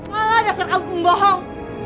malah dasar kamu pun bohong